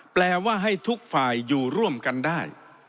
แปลว่าให้ทุกฝ่ายอยู่ร่วมกันได้